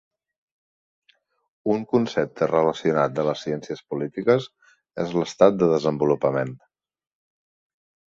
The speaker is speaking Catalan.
Un concepte relacionat de les ciències polítiques és l'estat de desenvolupament.